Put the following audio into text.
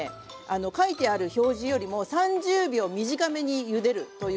書いてある表示よりも３０秒短めにゆでるということを。